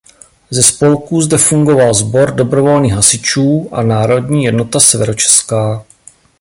Ze spolků zde fungoval Sbor dobrovolných hasičů a Národní jednota Severočeská.